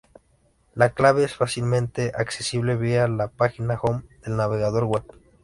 La clave es fácilmente accesible vía la página Home del navegador web.